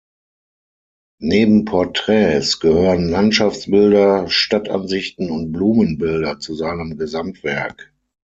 Neben Porträts gehören Landschaftsbilder, Stadtansichten und Blumenbilder zu seinem Gesamtwerk.